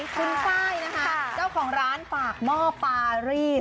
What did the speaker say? คุณไฟล์นะคะเจ้าของร้านฝากหม้อปารีส